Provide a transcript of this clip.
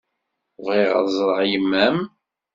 Bɣiɣ ad ẓreɣ yemma-m.